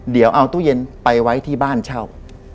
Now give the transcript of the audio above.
เดี๋ยวเอาตู้เย็นไปไว้ที่บ้านเช่า